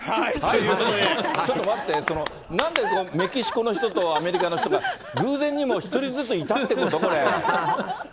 ちょっと待って、なんでそのメキシコの人とアメリカの人、偶然にも１人ずついたってこと？